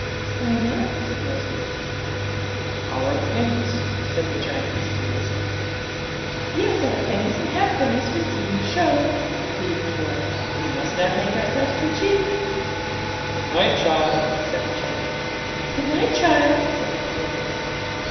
'Why not?' said Rosalie. 'Our pennies,' said the giant mysteriously. 'Yes, our pennies and halfpennies for seeing the show,' repeated the dwarfs; 'we must not make ourselves too cheap.' 'Good night, child,' said the giant. 'Good night, child,' said the dwarfs.